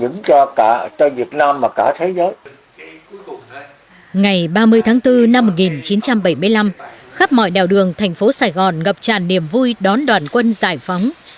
ngày ba mươi tháng bốn năm một nghìn chín trăm bảy mươi năm khắp mọi đảo đường thành phố sài gòn ngập tràn niềm vui đón đoàn quân giải phóng